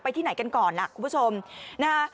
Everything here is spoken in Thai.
ไปที่ไหนกันก่อนนะ